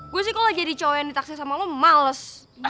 gue sih kalau jadi cowok yang ditaksir sama lo males